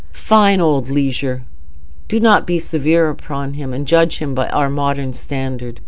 Fine old Leisure! Do not be severe upon him, and judge him by our modern standard.